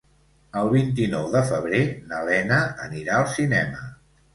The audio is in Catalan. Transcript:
El vint-i-nou de febrer na Lena anirà al cinema.